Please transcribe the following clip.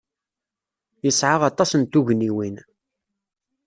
Yesɛa aṭas n tugniwin.